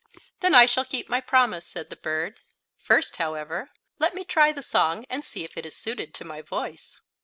"Then I shall keep my promise," said the bird. "First, however, let me try the song and see if it is suited to my voice."